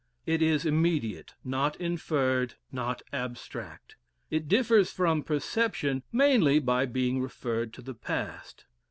It is immediate, not inferred, not abstract; it differs from perception mainly by being referred to the past.